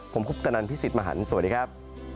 ผมคุปตนันพี่สิทธิ์มหันฯสวัสดีครับ